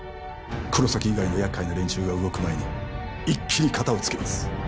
黒崎以外のやっかいな連中が動く前に一気に片をつけます